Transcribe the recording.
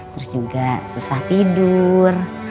terus juga susah tidur